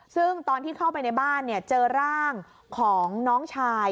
ซึ่งตอนที่เข้าไปในบ้านเจอร่างของน้องชาย